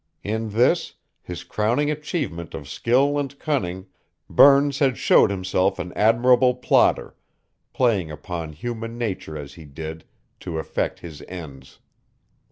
In this, his crowning achievement of skill and cunning, Burns had showed himself an admirable plotter, playing upon human nature as he did to effect his ends.